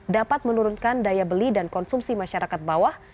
dapat menurunkan daya beli dan konsumsi masyarakat bawah